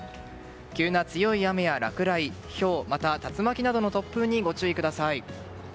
急な強い雨や落雷ひょうまたは竜巻などの突風にご注意ください。